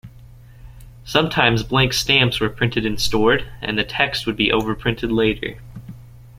Sometimes blank stamps were printed and stored, and the text would be overprinted later.